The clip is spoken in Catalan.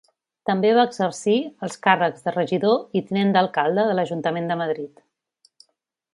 També va exercir els càrrecs de regidor i tinent d'alcalde de l'Ajuntament de Madrid.